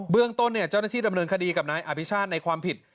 เรื่องต้นเจ้าหน้าที่ดำเนินคดีกับนายอภิชาติในความผิด